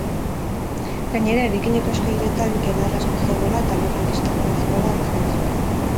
Gainera, eraikineko eskaileratan kedar asko zegoela eta lurra irristakorra zegoela antzeman zuen.